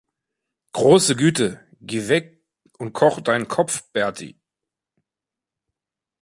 Große Güte, geh weg und koch deinen Kopf, Bertie!